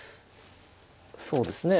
そうですね